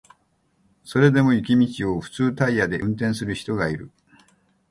それでも雪道を普通タイヤで運転する人がいる